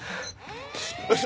よし。